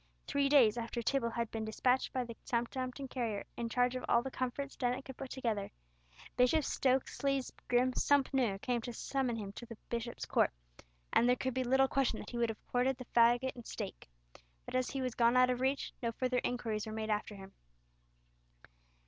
Three days after Tibble had been despatched by the Southampton carrier in charge of all the comforts Dennet could put together, Bishop Stokesley's grim "soumpnour" came to summon him to the Bishop's court, and there could be little question that he would have courted the faggot and stake. But as he was gone out of reach, no further inquiries were made after him.